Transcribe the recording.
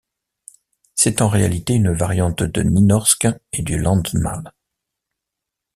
C'est en réalité une variante du nynorsk et du landsmål.